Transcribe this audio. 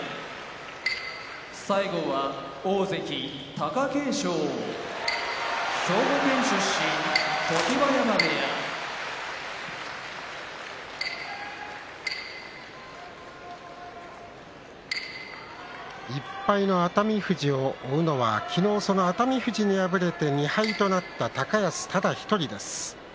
貴景勝兵庫県出身常盤山部屋１敗の熱海富士を追うのは昨日その熱海富士に敗れて２敗となった、高安ただ１人です。